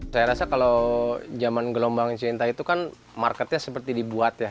saya rasa kalau zaman gelombang cinta itu kan marketnya seperti dibuat ya